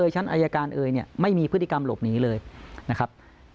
ชั้นอายการเอยเนี่ยไม่มีพฤติกรรมหลบหนีเลยนะครับ